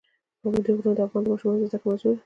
پابندی غرونه د افغان ماشومانو د زده کړې موضوع ده.